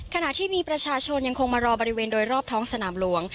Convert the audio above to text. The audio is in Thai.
ขณะที่มีประชาชนยังคงมารอบริเวณโดยรอบท้องสนามหลวง